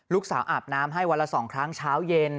อาบน้ำให้วันละ๒ครั้งเช้าเย็น